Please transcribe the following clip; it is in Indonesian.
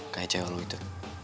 kayak cewek lo itu